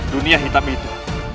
dunia hitam itu